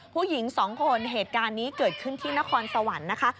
ผู้หญิงสองคนเหตุการณ์นี้เกิดขึ้นที่นครสวรรค์นะคะ